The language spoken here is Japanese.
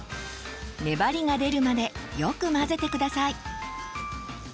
粘りが出るまでよく混ぜて下さい。